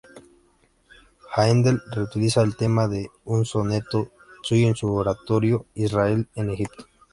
Haendel reutiliza el tema de un soneto suyo en su oratorio "Israel en Egipto".